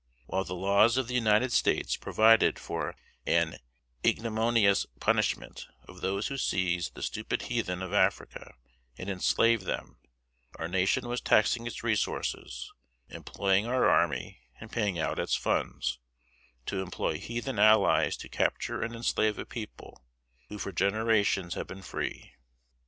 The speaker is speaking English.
While the laws of the United States provided for an ignominious punishment of those who seize the stupid heathen of Africa and enslave them, our nation was taxing its resources, employing our army and paying out its funds, to employ heathen allies to capture and enslave a people who for generations had been free.